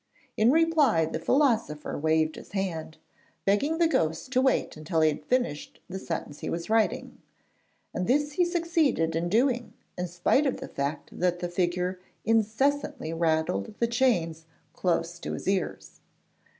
In reply the philosopher waved his hand, begging the ghost to wait until he had finished the sentence he was writing, and this he succeeded in doing in spite of the fact that the figure incessantly rattled the chains close to his ears.